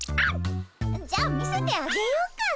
じゃあ見せてあげようかね。